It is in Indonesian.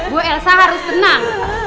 bu elsa harus tenang